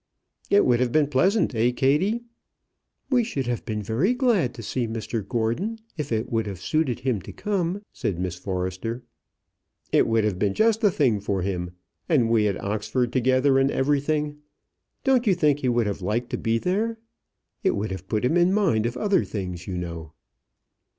"It would have been pleasant; eh, Kattie?" "We should have been very glad to see Mr Gordon, if it would have suited him to come," said Miss Forrester. "It would have been just the thing for him; and we at Oxford together, and everything. Don't you think he would have liked to be there? It would have put him in mind of other things, you know."